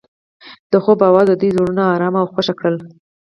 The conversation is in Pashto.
د خوب اواز د دوی زړونه ارامه او خوښ کړل.